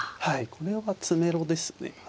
これは詰めろですね。